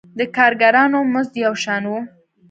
د کارګرانو مزد یو شان و.